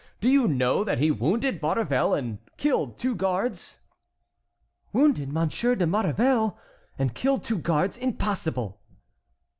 "Do you know that he wounded Maurevel and killed two guards?" "Wounded Monsieur de Maurevel and killed two guards!—impossible!"